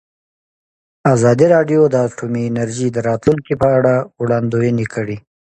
ازادي راډیو د اټومي انرژي د راتلونکې په اړه وړاندوینې کړې.